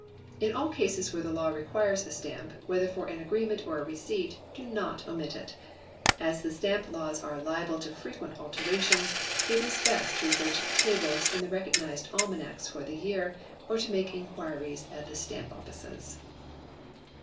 In all cases where the law requires a stamp, whether for an agreement or a receipt, do not omit it. As the stamp laws are liable to frequent alterations, it is best to refer to the tables in the recognised almanacks for the year, or to make inquiries at the stamp offices.